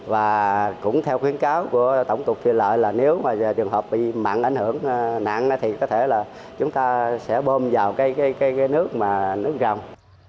và cũng theo khuyến cáo của tổng cục thủy lợi là nếu mà trường hợp bị mặn ảnh hưởng nặng thì có thể là chúng ta sẽ bơm vào cái nước mà nước rồng